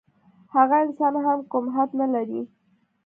هغه انسان هم کوم حد نه لري.